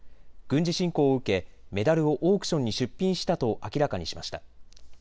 軍事侵攻を受け、メダルをオークションに出品したと明らかにしました。